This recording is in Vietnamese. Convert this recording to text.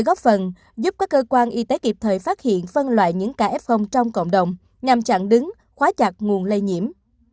cơ quan y tế kịp thời phát hiện phân loại những kf trong cộng đồng nhằm chặn đứng khóa chặt nguồn lây nhiễm